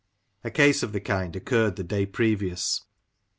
A case of the kind occurred the day previous.